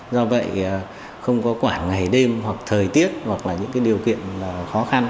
do vậy không có quản ngày đêm hoặc thời tiết hoặc là những điều kiện khó khăn